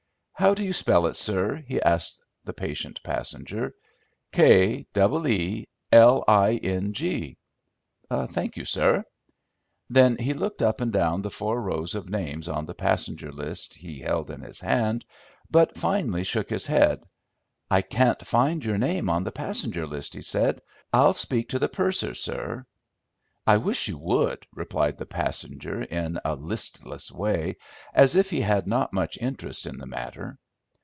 "How do you spell it, sir?" he asked the patient passenger. "K double e l i n g." "Thank you, sir." Then he looked up and down the four rows of names on the passenger list he held in his hand, but finally shook his head. "I can't find your name on the passenger list," he said. "I'll speak to the purser, sir." "I wish you would," replied the passenger in a listless way, as if he had not much interest in the matter.